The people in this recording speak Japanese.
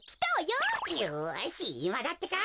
よしいまだってか！